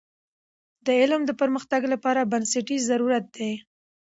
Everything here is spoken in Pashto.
علم د پرمختګ لپاره بنسټیز ضرورت دی.